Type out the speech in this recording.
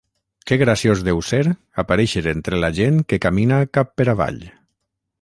Que graciós deu ser aparèixer entre la gent que camina cap per avall!